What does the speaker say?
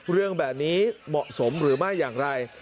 เรื่องแบบนี้เหมาะสมหรือไม่อย่างไร